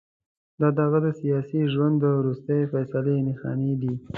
دا د هغه د سیاسي ژوند د وروستۍ فیصلې نښانې دي.